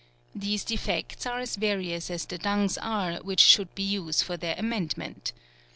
These defects are as various as the dungs are which should be used for their amendment.